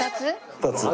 ２つ。